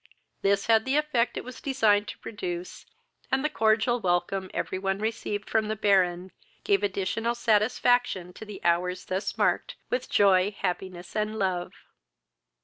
This had the effect it was designed to produce, and the cordial welcome every one received from the Baron gave additional satisfaction to the hours thus marked with joy, happiness, and love.